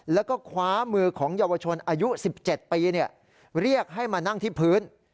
แล้วก็คว้ามือของเยาวชนอายุ๑๗ปีเรียกให้มานั่งที่พื้น